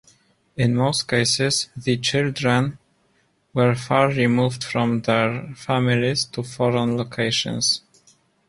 In most cases, the children were far removed from their families to foreign locations.